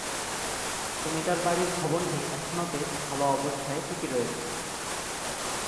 জমিদার বাড়ির ভবনটি এখনো বেশ ভালো অবস্থায় টিকে রয়েছে।